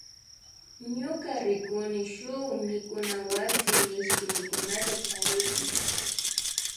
Ñuka rikuni shuk mikunawasi mishki mikunata charikma